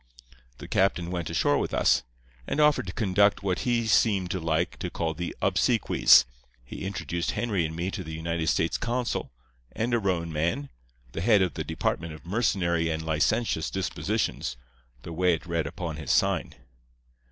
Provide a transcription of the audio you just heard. "The captain went ashore with us, and offered to conduct what he seemed to like to call the obsequies. He introduced Henry and me to the United States Consul, and a roan man, the head of the Department of Mercenary and Licentious Dispositions, the way it read upon his sign.